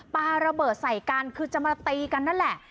ปลาระเบิดใส่กันคือจะมาตีกันนั่นแหละ